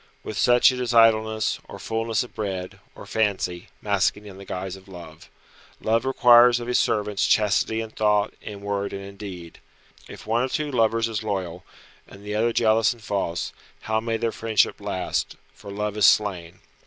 With such it is idleness, or fulness of bread, or fancy, masking in the guise of love. Love requires of his servants chastity in thought, in word and in deed. If one of two lovers is loyal, and the other jealous and false, how may their friendship last, for Love is slain!